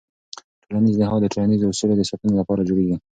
ټولنیز نهاد د ټولنیزو اصولو د ساتنې لپاره جوړېږي.